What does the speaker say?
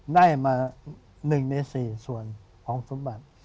ได้มา๑ใน๔ส่วนของสมบัติ